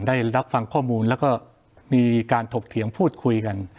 ได้รับฟังข้อมูลแล้วก็มีการถกเถียงพูดคุยกัน